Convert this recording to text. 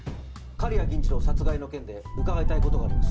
刈谷銀次郎殺害の件で伺いたい事があります。